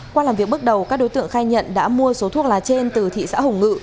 qua làm việc bước đầu các đối tượng khai nhận đã mua số thuốc lá trên từ thị xã hồng ngự